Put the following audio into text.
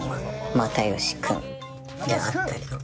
又吉君であったりとかはい。